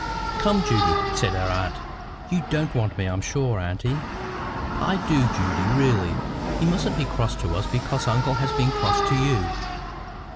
"Come, Judy," said her aunt. "You don't want me, I am sure, auntie." "I do, Judy, really. You mustn't be cross to us because uncle has been cross to you.